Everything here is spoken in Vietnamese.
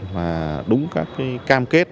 và đúng các cam kết